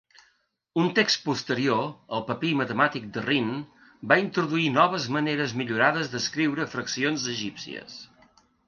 Un text posterior, el papir matemàtic de Rhind, va introduir noves maneres millorades d'escriure fraccions egípcies.